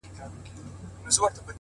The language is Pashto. ولي دي يو انسان ته دوه زړونه ور وتراشله،